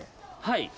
はい。